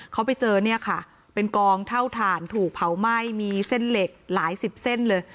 เขาไปเจอเนี่ยค่ะเป็นกองเท่าฐานถูกเผาไหม้มีเส้นเหล็กหลายสิบเส้นเลย